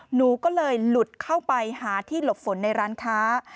หนูก็เลยหลุดเข้าไปหาที่หลบฝนในร้านค้า